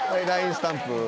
スタンプ。